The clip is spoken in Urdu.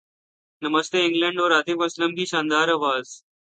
نمستے انگلینڈ اور عاطف اسلم کی شاندار اواز